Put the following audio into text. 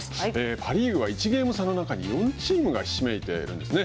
パ・リーグは１ゲーム差の中に４チームがひしめいているんですね。